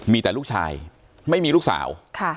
มีแต่ลูกชายไม่มีลูกสาว